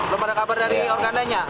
belum ada kabar dari organdanya